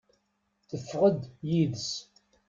Tefɣeḍ yid-s.